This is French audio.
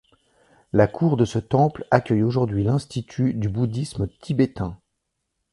La cour de ce temple accueille aujourd'hui l'institut du bouddhisme tibétain.